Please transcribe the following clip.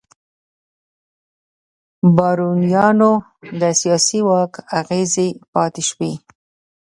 بارونیانو د سیاسي واک اغېزې پاتې شوې.